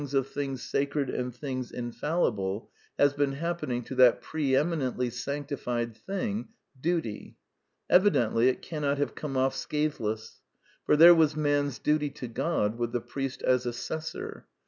1 8 The Quintessence of Ibsenism things sacred and things infallible, has been hap pening to that pre eminently sanctified thing, Duty? Evidently it cannot have come oS scathe less. First there was man's duty to God, with the priest as assessor.